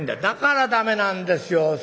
「だから駄目なんですよ。